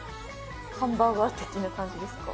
ハンバーガー的な感じですか？